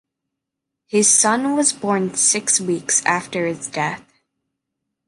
His son was born six weeks after his death.